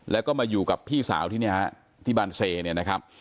แล้วก็มาอยู่กับพี่สาวที่เนี่ยฮะที่บานเซเนี่ยนะครับ